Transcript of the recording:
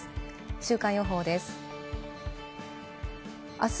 週間予報です。